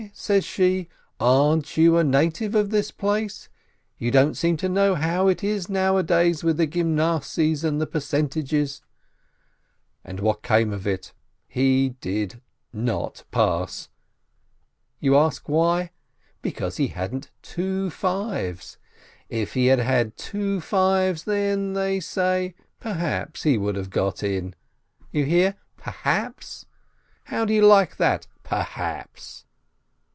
says she. "Aren't you a native of this place? You don't seem to know how it is now adays with the Gymnasiyes and the percentages ?" And what came of it ? He did not pass ! You ask why ? Because he hadn't two fives. If he had had two fives, then, they say, perhaps he would have got in. You hear — perhaps ! How do you like that perhaps